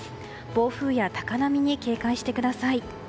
暴風や高波に警戒してください。